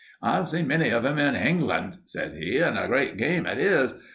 "I've seen many of them in Hengland," said he, "and a great game it is.